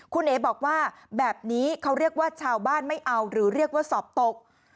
คุณเอ๋บอกว่าแบบนี้เขาเรียกว่าชาวบ้านไม่เอาหรือเรียกว่าสอบตก